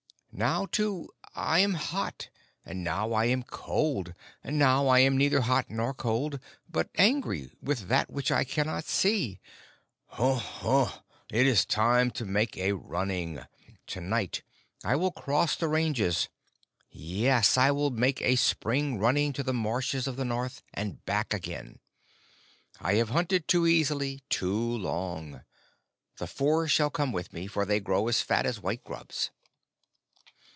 Now, too, I am hot and now I am cold, and now I am neither hot nor cold, but angry with that which I cannot see. Huhu! It is time to make a running! To night I will cross the ranges; yes, I will make a spring running to the Marshes of the North, and back again. I have hunted too easily too long. The Four shall come with me, for they grow as fat as white grubs."